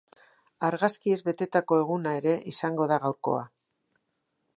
Argazkiez betetako eguna ere izango da gaurkoa.